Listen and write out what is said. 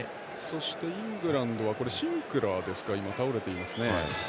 そして、イングランドはシンクラーですか倒れていますね。